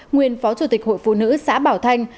nguyên phó chủ tịch hội phụ nữ xã bảo thanh